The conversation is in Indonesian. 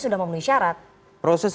sudah memenuhi syarat proses